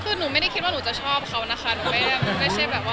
คือหนูไม่ได้คิดว่าหนูจะชอบเขานะคะไม่ได้ว่าเขาอะไรอย่างงี้ค่ะ